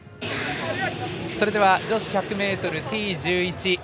それでは女子１００ｍＴ１１